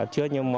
chưa như mỗi quà